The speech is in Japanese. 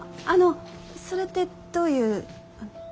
あのそれってどういう。